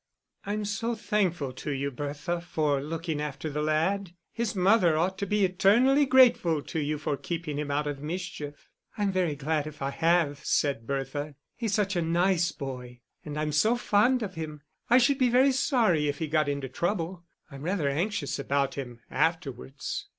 "I'm so thankful to you, Bertha, for looking after the lad. His mother ought to be eternally grateful to you for keeping him out of mischief." "I'm very glad if I have," said Bertha, "he's such a nice boy, and I'm so fond of him. I should be very sorry if he got into trouble.... I'm rather anxious about him afterwards."